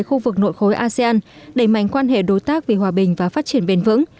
khu vực nội khối asean đẩy mạnh quan hệ đối tác vì hòa bình và phát triển bền vững